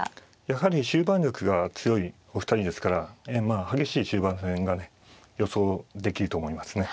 やはり終盤力が強いお二人ですからまあ激しい終盤戦がね予想できると思いますね。